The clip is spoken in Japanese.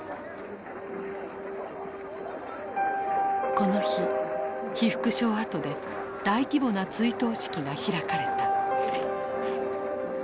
この日被服廠跡で大規模な追悼式が開かれた。